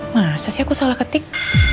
masa sih aku salah ketik